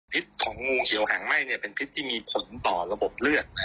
ของงูเขียวหางไหม้เนี่ยเป็นพิษที่มีผลต่อระบบเลือด